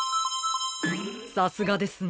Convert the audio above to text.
さすがですね。